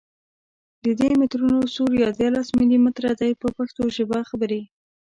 د دي مترونو سور دیارلس ملي متره دی په پښتو ژبه خبرې.